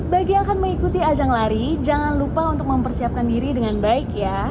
bagi yang akan mengikuti ajang lari jangan lupa untuk mempersiapkan diri dengan baik ya